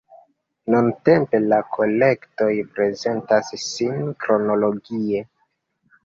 Nuntempe la kolektoj prezentas sin kronologie.